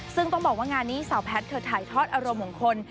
ซึ่งต้องบอกว่างานนี้สาวแพทย์เธอถ่ายทอดอารมณ์ของคน